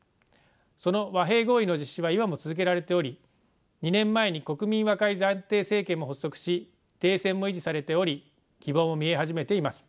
その和平合意の実施は今も続けられており２年前に国民和解暫定政権も発足し停戦も維持されており希望も見え始めています。